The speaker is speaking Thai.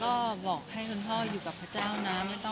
ก็บอกให้คุณพ่ออยู่กับพระเจ้านะ